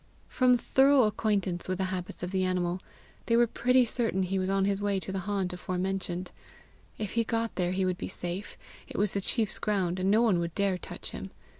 From thorough acquaintance with the habits of the animal, they were pretty certain he was on his way to the haunt aforementioned: if he got there, he would be safe; it was the chiefs ground, and no one would dare touch him.